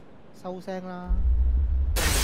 收聲啦